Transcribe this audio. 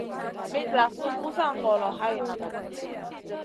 Mitlasou busa ŋolo hay nagata.